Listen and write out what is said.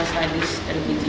sadis dan biji